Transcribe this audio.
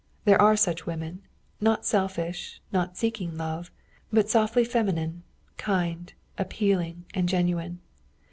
There are such women, not selfish, not seeking love, but softly feminine, kind, appealing and genuine.